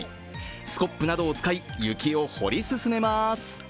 スコップなどを使い、雪を掘り進めます。